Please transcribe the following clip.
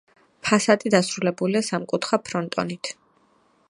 ფასადი დასრულებულია სამკუთხა ფრონტონით.